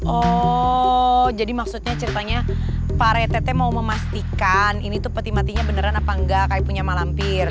oh jadi maksudnya ceritanya pak rete mau memastikan ini tuh peti matinya beneran apa nggak kayak punya malam bir